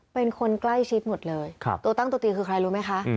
เป็นคนใกล้ชิดหมดเลยตัวตั้งตัวตีคือใครรู้ไหมคะ